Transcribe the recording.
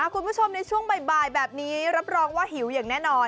คุณผู้ชมในช่วงบ่ายแบบนี้รับรองว่าหิวอย่างแน่นอน